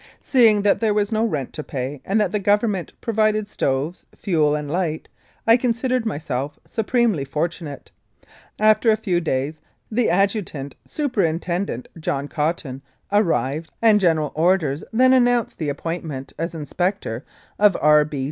Seeing that there was no rent to pay, and that the Government provided stoves, fuel and light, I considered myself supremely fortunate. After a few days the adjutant, Superintendent John Cotton, arrived, and General Orders then announced the appointment, as Inspector, of R.